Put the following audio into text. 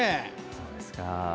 そうですか。